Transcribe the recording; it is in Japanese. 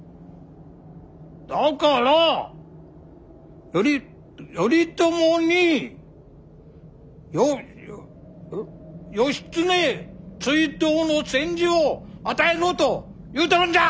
だからより頼朝によっうっ義経追討の宣旨を与えろと言うとるんじゃ！